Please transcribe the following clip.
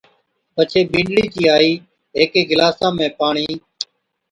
پڇي بِينڏڙِي چِي آئِي ھيڪي گلاسا ۾ پاڻِي